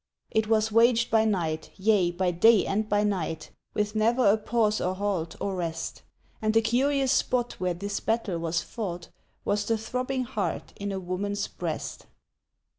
It was waged by night, yea by day and by night, With never a pause or halt or rest, And the curious spot where this battle was fought Was the throbbing heart in a woman's breast.